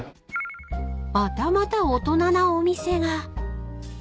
［またまた大人なお店が］